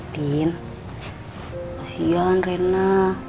din kasihan rena